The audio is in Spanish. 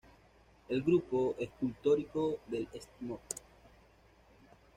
El grupo escultórico del Stmo.